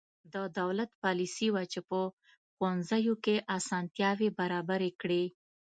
د دولت پالیسي وه چې په ښوونځیو کې اسانتیاوې برابرې کړې.